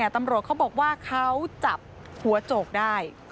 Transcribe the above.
ตำรวจเขาบอกว่าเขาจับหัวโจกได้